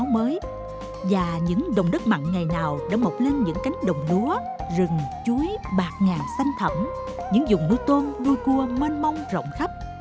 mặt ngày nào đã mọc lên những cánh đồng lúa rừng chuối bạc ngàn xanh thẩm những dùng nuôi tôm nuôi cua mênh mông rộng khắp